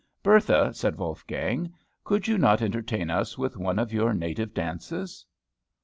"Bertha," said Wolfgang, "could you not entertain us with one of your native dances?"